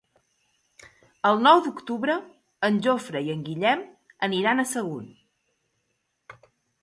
El nou d'octubre en Jofre i en Guillem aniran a Sagunt.